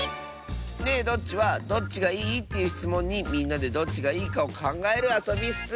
「ねえどっち？」は「どっちがいい？」っていうしつもんにみんなでどっちがいいかをかんがえるあそびッス。